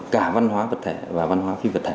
cả văn hóa vật thể và văn hóa phi vật thể